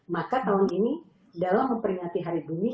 maka tahun ini dalam memperingati hari bumi